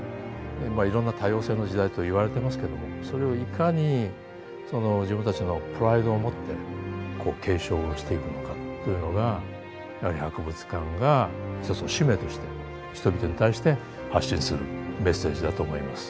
まあいろんな多様性の時代といわれてますけどもそれをいかにその自分たちのプライドをもって継承をしていくのかというのがやはり博物館が一つの使命として人々に対して発信するメッセージだと思います。